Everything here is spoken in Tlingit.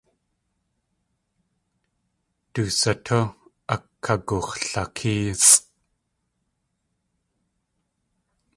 Du satú akagux̲lakéesʼ.